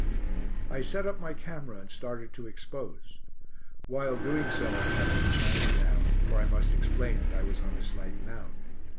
I set up my camera and started to expose. While doing so I happened to glance down, for I must explain that I was on a slight mound.